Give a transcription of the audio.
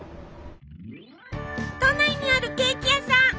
都内にあるケーキ屋さん。